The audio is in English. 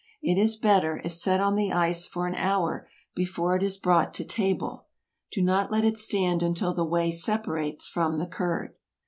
It is better, if set on the ice for an hour before it is brought to table. Do not let it stand until the whey separates from the curd.